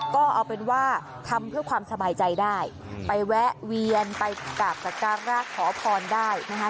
ก็เอาเป็นว่าทำเพื่อความสบายใจได้ไปแวะเวียนไปกราบสการราชขอพรได้นะคะ